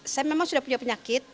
saya memang sudah punya penyakit